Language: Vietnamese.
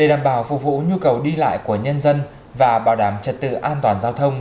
để đảm bảo phục vụ nhu cầu đi lại của nhân dân và bảo đảm trật tự an toàn giao thông